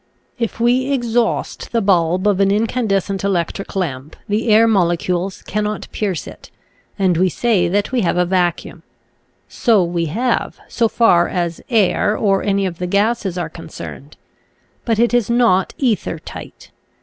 If we exhaust the bulb of an in candescent electric lamp the air molecules cannot pierce it and we say that we have a vacuum. So we have, so far as air or any of the gases are concerned. But it is not ether tight.